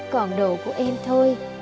còn đồ của em thôi